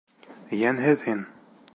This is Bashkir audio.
Йәнһеҙ һин!